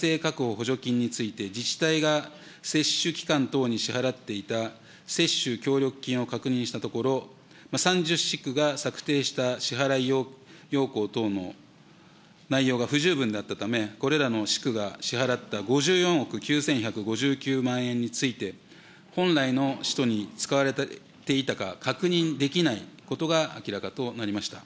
補助金について自治体が接種機関等に支払っていた接種協力金を確認したところ、３０市区が策定した支払い要項等の内容が不十分だったため、これらの市区が支払った５４億９１５９万円について、本来の使途に使われていたか確認できないことが明らかとなりました。